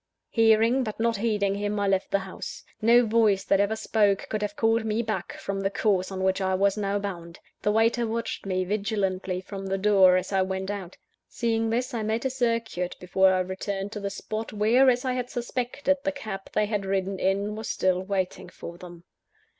Hearing, but not heeding him, I left the house. No voice that ever spoke, could have called me back from the course on which I was now bound. The waiter watched me vigilantly from the door, as I went out. Seeing this, I made a circuit, before I returned to the spot where, as I had suspected, the cab they had ridden in was still waiting for them.